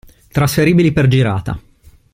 Trasferibili per girata.